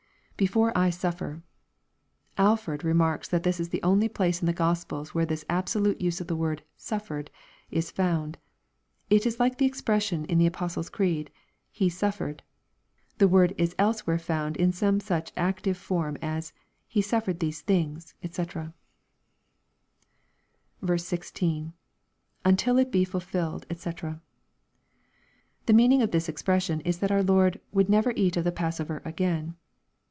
[Before I suffer^ Alford remarks that this is the only place in the Gospels where this absolute use of the word " suffered" ia found. It is like the expression in the Apostle's creed, " He suf fered." The word is elsewhere found in some such active form as " He suffered these things, &c." 16. — [Until it he fulfiUed^ <fec.] The meaning of this expression is that our Lord "would never eat of the passover again."